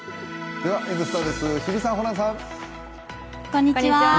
では「Ｎスタ」です、日比さん、ホランさん。